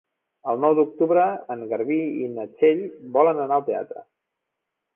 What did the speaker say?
El nou d'octubre en Garbí i na Txell volen anar al teatre.